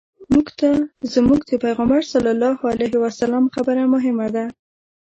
موږ ته زموږ د پیغمبر صلی الله علیه وسلم خبره مهمه ده.